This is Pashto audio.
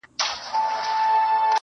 لیکل سوي ټول د ميني افسانې دي,